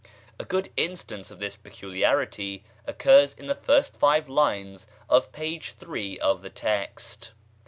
A good instance of this peculiarity occurs in the first five lines of p. 3 of the text.